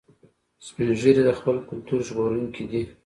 سپین ږیری د خپل کلتور ژغورونکي دي